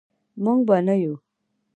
موږ به نه یو.